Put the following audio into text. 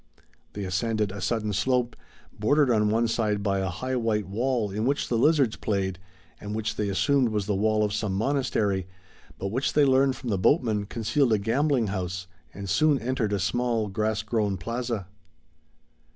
They ascended a sudden slope, bordered on one side by a high white wall in which lizards played, and which they assumed was the wall of some monastery, but which they learned from the boatman concealed a gambling house, and soon entered a small grass grown plaza.